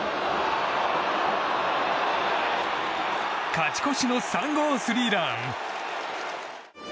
勝ち越しの３号スリーラン。